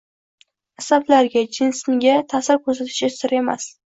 asablariga, jismiga ta’sir ko‘rsatishi sir emas.